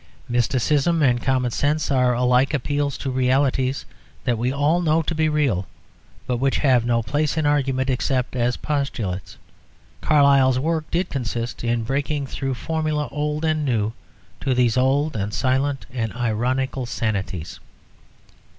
Mysticism and common sense are alike appeals to realities that we all know to be real, but which have no place in argument except as postulates. Carlyle's work did consist in breaking through formulæ, old and new, to these old and silent and ironical sanities.